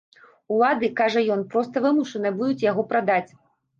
Улады, кажа ён, проста вымушаныя будуць яго прадаць.